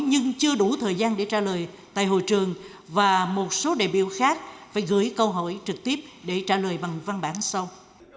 nhưng chưa đủ thời gian để trả lời tại hội trường và một số đại biểu khác phải gửi câu hỏi trực tiếp để trả lời bằng văn bản sau